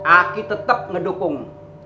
aki tetep ngedukung